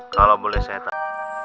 kalau boleh saya taruh